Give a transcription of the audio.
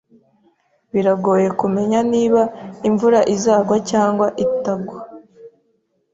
Biragoye kumenya niba imvura izagwa cyangwa itagwa.